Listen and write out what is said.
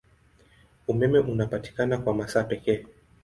Umeme unapatikana kwa masaa pekee.